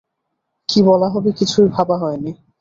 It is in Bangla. কী বলা হবে কিছুই ভাবা হয় নি।